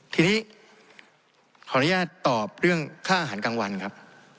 ทีนี้ขออนุญาตตอบเรื่องค่าอาหารกลางวันครับ